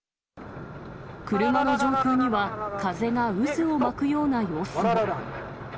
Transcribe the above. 車の上空には風が渦を巻くような様子も。